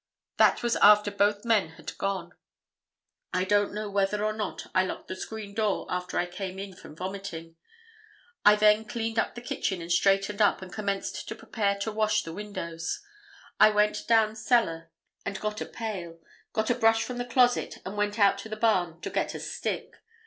That was after both men had gone. I don't know whether or not I locked the screen door after I came in from vomiting. I then cleaned up the kitchen and straightened up and commenced to prepare to wash the windows. I went down cellar and got a pail, got a brush from the closet and went out to the barn to get a stick.